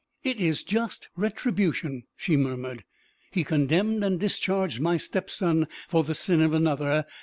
"It is just retribution," she murmured. "He condemned and discharged my stepson for the sin of another.